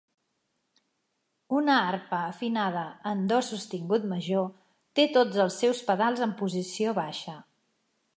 Una arpa afinada en do sostingut major té tots els seus pedals en posició baixa.